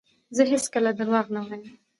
زه هیڅکله درواغ نه وایم.